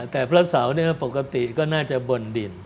แต่พระเสาร์ปกติก็น่าจะบนดิน